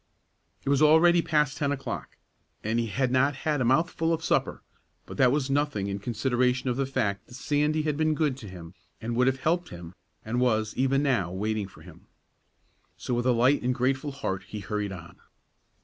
It was already past ten o'clock, and he had not had a mouthful of supper, but that was nothing in consideration of the fact that Sandy had been good to him, and would have helped him, and was, even now, waiting for him. So, with a light and grateful heart, he hurried on.